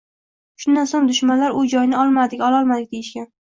Shundan soʻng dushmanlar u joyni “olmadik”, “ololmadik” deyishgan